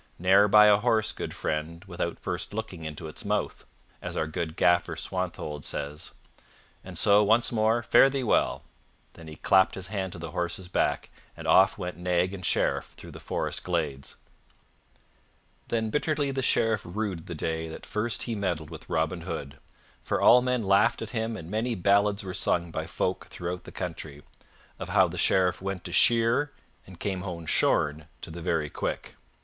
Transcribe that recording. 'Ne'er buy a horse, good friend, without first looking into its mouth,' as our good gaffer Swanthold says. And so, once more, fare thee well." Then he clapped his hand to the horse's back, and off went nag and Sheriff through the forest glades. Then bitterly the Sheriff rued the day that first he meddled with Robin Hood, for all men laughed at him and many ballads were sung by folk throughout the country, of how the Sheriff went to shear and came home shorn to the very quick.